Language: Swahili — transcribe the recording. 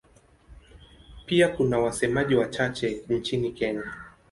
Pia kuna wasemaji wachache nchini Kenya.